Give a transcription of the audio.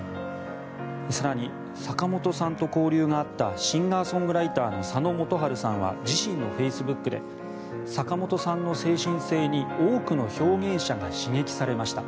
更に、坂本さんと交流があったシンガー・ソングライターの佐野元春さんは自身のフェイスブックで坂本さんの精神性に多くの表現者が刺激されました